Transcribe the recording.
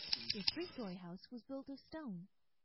The three story house was built of stone.